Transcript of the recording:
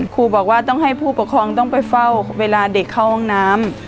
ครูบอกว่าต้องให้ผู้ปกครองต้องไปเฝ้าเวลาเด็กเข้าห้องน้ำ